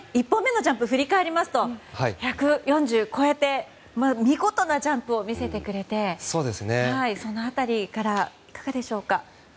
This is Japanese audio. １本目のジャンプを振り返りますと１４０を越えて見事なジャンプを見せてくれてその辺りからいかがでしょうか。